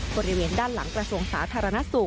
บริเวณด้านหลังกระทรวงสาธารณสุข